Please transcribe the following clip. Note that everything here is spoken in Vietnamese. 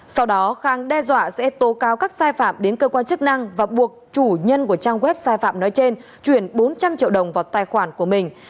sau đó khang đe dọa sẽ tố cáo các sai phạm đến cơ quan chức năng và buộc chủ nhân của trang web sai phạm nói trên chuyển bốn trăm linh triệu đồng vào tài khoản của mình